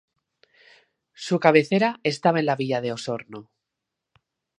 Su cabecera estaba en la Villa de Osorno.